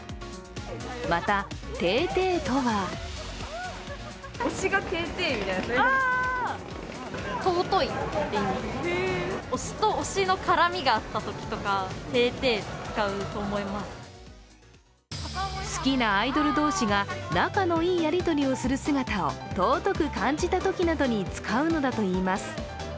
またてぇてぇとは好きなアイドル同士が仲のいいやりとりをする姿を尊く感じたときなどに使うのだといいます。